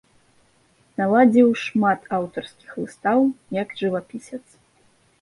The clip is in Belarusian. Наладзіў шмат аўтарскіх выстаў як жывапісец.